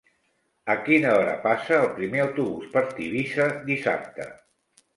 A quina hora passa el primer autobús per Tivissa dissabte?